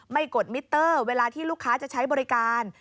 กดมิเตอร์เวลาที่ลูกค้าจะใช้บริการ